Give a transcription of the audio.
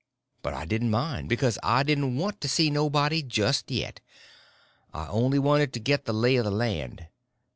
But I didn't mind, because I didn't want to see nobody just yet—I only wanted to get the lay of the land.